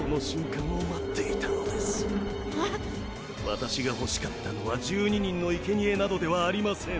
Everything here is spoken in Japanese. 私が欲しかったのは１２人のいけにえなどではありません。